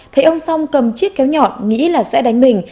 thấy ông song cầm chiếc kéo nhọn nghĩ là sẽ đánh mình